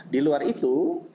di luar itu